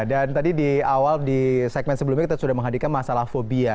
dan tadi di awal di segmen sebelumnya kita sudah menghadirkan masalah fobia